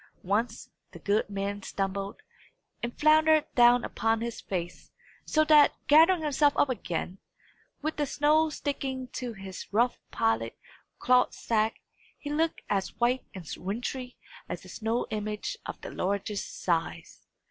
Once, the good man stumbled, and floundered down upon his face, so that, gathering himself up again, with the snow sticking to his rough pilot cloth sack, he looked as white and wintry as a snow image of the largest size.